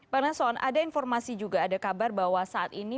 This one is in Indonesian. pak nelson ada informasi juga ada kabar bahwa saat ini